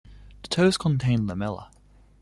The toes contain lamellae.